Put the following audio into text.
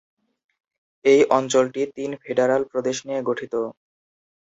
এই অঞ্চলটি তিনটি ফেডারাল প্রদেশ নিয়ে গঠিত।